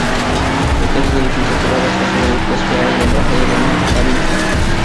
Su tesis de licenciatura versó sobre la filosofía del lenguaje de Donald Davidson.